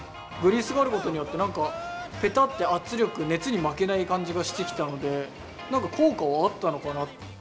グリースがあることによって何か何かペタッて圧力熱に負けない感じがしてきたので何か効果はあったのかな。